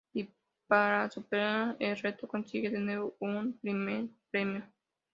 Y para superar el reto consigue de nuevo un primer premio.